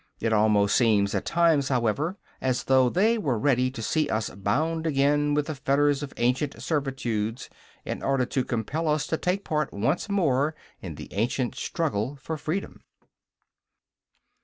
It almost seems at times, however, as though they were ready to see us bound again with the fetters of ancient servitudes, in order to compel us to take part once more in the ancient struggle for freedom.